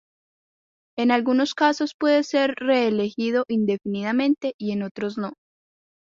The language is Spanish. En algunos casos puede ser reelegido indefinidamente y en otros no.